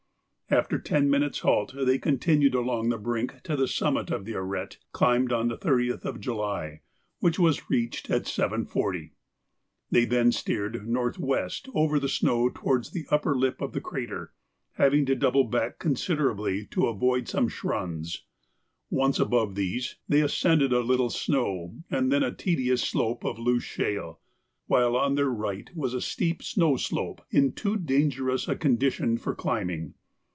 After ten minutes' halt they continued along the brink to the summit of the arête climbed on the 30th of July, which was reached at 7.40. They then steered north west over the snow towards the upper lip of the crater, having to double back considerably to avoid some schrunds. Once above these, they ascended a little snow and then a tedious slope of loose shale, while on their right was a steep snow slope, in too dangerous a condition for climbing.